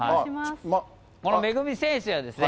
このめぐみ選手はですね。